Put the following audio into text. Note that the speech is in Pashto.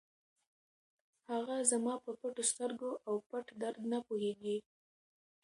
هغه زما په پټو سترګو او پټ درد نه پوهېږي.